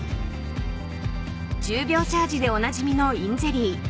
１０秒チャージでおなじみのｉｎゼリー。